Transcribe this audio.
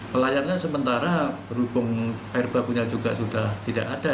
pelayarnya sementara berhubung air bakunya juga sudah tidak ada